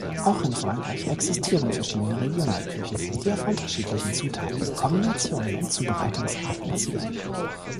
Auch in Frankreich existieren verschiedene Regionalküchen, die auf unterschiedlichen Zutaten, Kombinationen und Zubereitungsarten basieren.